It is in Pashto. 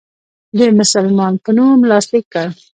د مسلمان په نوم لاسلیک کړ.